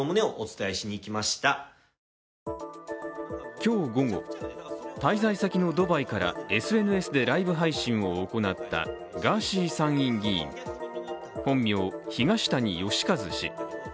今日午後、滞在先のドバイからＳＮＳでライブ配信を行ったガーシー参議院議員、本名・東谷義和氏。